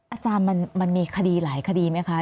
อาจารย์มันมีคดีหลายคดีไหมคะ